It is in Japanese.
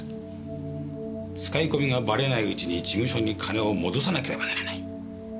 使い込みがばれないうちに事務所に金を戻さなければならない。